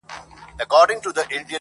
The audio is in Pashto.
څوك به وران كي د ازل كښلي خطونه.!